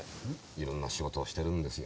いろんな仕事をしてるんですよ。